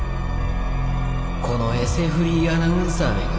「このエセフリーアナウンサーめが。